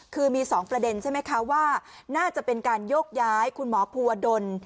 คือมี๒ประเด็นใช่ไหมคะว่าน่าจะเป็นการโยกย้ายคุณหมอภูวดล